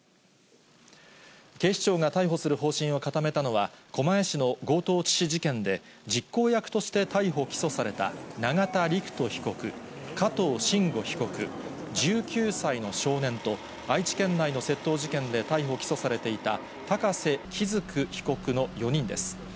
警視庁が逮捕する方針を固めたのは、狛江市の強盗致死事件で、実行役として逮捕・起訴された永田陸人被告、加藤臣吾被告、１９歳の少年と、愛知県内の窃盗事件で逮捕・起訴されていた高瀬基嗣被告の４人です。